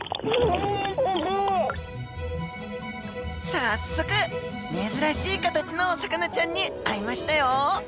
早速珍しい形のお魚ちゃんに会えましたよ。